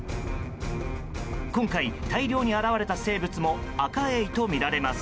今回、大量に現れた生物もアカエイとみられます。